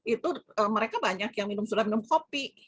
itu mereka banyak yang minum sudah minum kopi